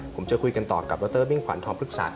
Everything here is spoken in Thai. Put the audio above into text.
ผมจะคุยกันต่อกับบิ้งขวันทองพฤกษาครับ